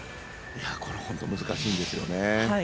これ本当難しいんですよね。